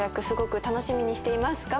すごく楽しみにしています。